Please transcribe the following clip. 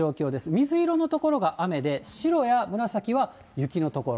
水色の所が雨で、白や紫は雪の所。